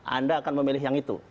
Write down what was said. anda akan memilih yang itu